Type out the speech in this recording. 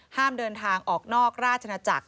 ห้ามเดินทางออกนอกราชนาจักร